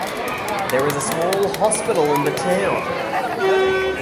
There is a small hospital in the town.